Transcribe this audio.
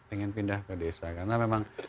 ingin pindah ke desa karena memang